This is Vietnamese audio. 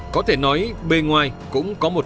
có thể nói bề ngoài cũng có một